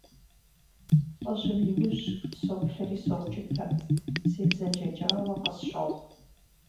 ЛӀыжьым и ужь соплъэри соукӀытэ, себзэджэкӀауэ къысщохъу.